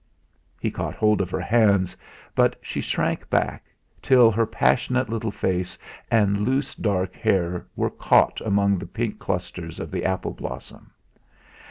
He caught hold of her hands, but she shrank back, till her passionate little face and loose dark hair were caught among the pink clusters of the apple blossom.